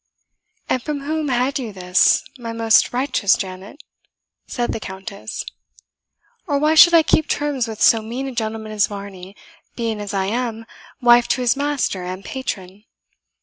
"And from whom had you this, my most righteous Janet?" said the Countess; "or why should I keep terms with so mean a gentleman as Varney, being as I am, wife to his master and patron?"